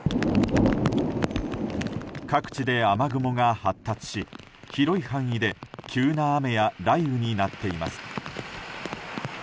各地で雨雲が発達し広い範囲で急な雨や雷雨になっています。